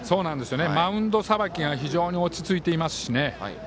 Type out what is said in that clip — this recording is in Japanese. マウンドさばきが非常に落ち着いていますしね。